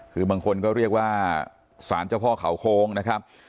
คือบางคนก็เรียกว่าสารเจ้าพ่อเขาโค้งนะครับ